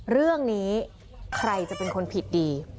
เรื่องนี้ใครจะเป็นคนผิดดี